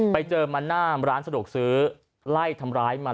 ไปเจอมาหน้าร้านสะดวกซื้อไล่ทำร้ายมา